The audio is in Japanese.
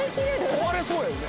壊れそうやよね。